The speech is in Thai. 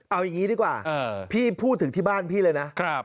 เอาอย่างนี้ดีกว่าพี่พูดถึงที่บ้านพี่เลยนะ